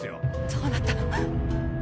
どうなったの？